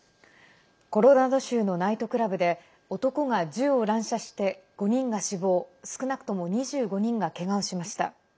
コロラド州のナイトクラブで男が銃を乱射して、５人が死亡少なくとも２５人がけがをしました。